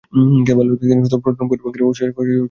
তিনি প্রোটিন-পরিপাককারী উৎসেচক ট্রিপসিন আবিষ্কার করেন।